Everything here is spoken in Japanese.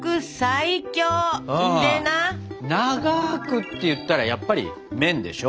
「長ーく」っていったらやっぱり麺でしょ？